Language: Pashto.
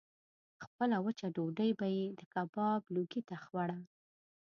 خپله وچه ډوډۍ به یې د کباب لوګي ته خوړه.